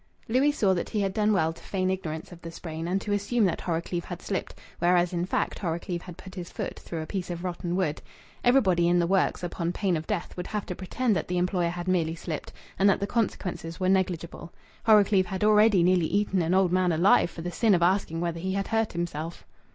Louis saw that he had done well to feign ignorance of the sprain and to assume that Horrocleave had slipped, whereas in fact Horrocleave had put his foot through a piece of rotten wood. Everybody in the works, upon pain of death, would have to pretend that the employer had merely slipped, and that the consequences were negligible. Horrocleave had already nearly eaten an old man alive for the sin of asking whether he had hurt himself!